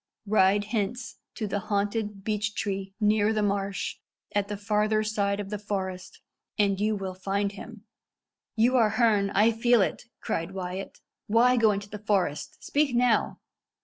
"Ride hence to the haunted beechtree near the marsh, at the farther side of the forest, and you will find him." "You are Herne I feel it," cried Wyat. "Why go into the forest? Speak now."